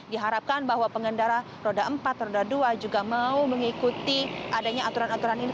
diharapkan bahwa pengendara roda empat roda dua juga mau mengikuti adanya aturan aturan ini